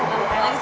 yang aku mistress